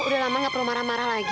udah lama nggak perlu marah marah lagi